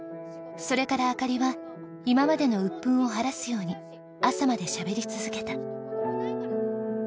それから灯は今までの鬱憤を晴らすように朝までしゃべり続けた。